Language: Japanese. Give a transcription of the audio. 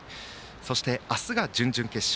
そして明日が準々決勝。